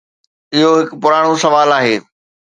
اهو هڪ پراڻو سوال آهي.